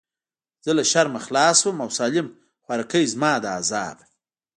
زه له شرمه خلاص سوم او سالم خواركى زما له عذابه.